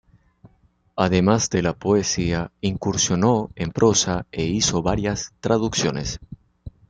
Además de la poesía, incursionó en prosa e hizo varias traducciones.